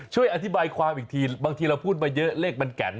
ช่วยอธิบายความอีกทีบางทีเราพูดมาเยอะเลขมันแก่น